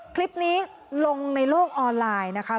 เคล็ปนี้ลงในโลกออนุโมงครับ